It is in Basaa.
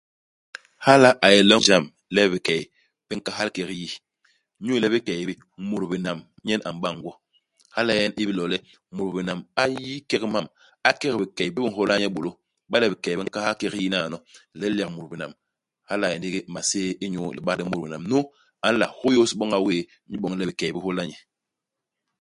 Hala a yé longe i jam le bikey bi nkahal kek yi. Inyu le ibikey bi, mut binam nyen a m'bañ gwo. Hala nyen i bilo le mut binam a yi kek mam. A kek bikey bi bi nhôla nye bôlô. Iba le bikey bi nkahal kek yi naano, ilel yak mut binam, hala a yé ndigi maséé inyu libak li mut binam nu a nla hôyôs boña wéé, inyu boñ le bikey bi hôla nye.